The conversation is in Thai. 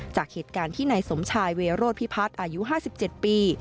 จากเหตุการณ์ที่นายสมชายเวโรธพิพัฒน์อายุ๕๗ปี